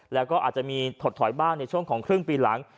แล้วก็อาจจะมีถดถอยบ้างในช่วงของครึ่งปีหลัง